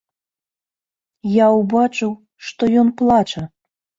Я ўбачыў, што ён плача.